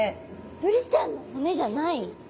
ブリちゃんの骨じゃない！？